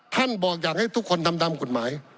ท่านบอกอยากให้ทุกคนทำตามกฎหมาย